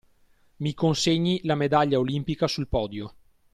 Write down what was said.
mi consegni la medaglia Olimpica sul podio,